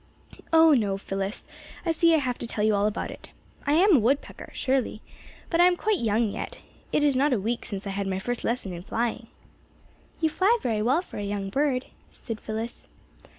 "Oh, no, Phyllis, I see I have to tell you all about it. I am a woodpecker, surely. But I am quite young yet. It is not a week since I had my first lesson in flying." "You fly very well for a young bird," said Phyllis.